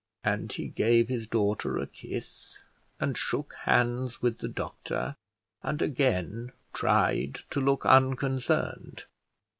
And he gave his daughter a kiss, and shook hands with the doctor, and again tried to look unconcerned.